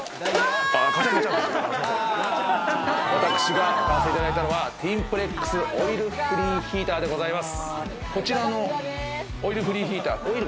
私が買わせていただいたのはディンプレックス、オイルフリーヒーターでございます。